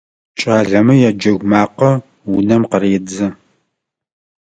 КӀалэмэ яджэгу макъэ унэм къыредзэ.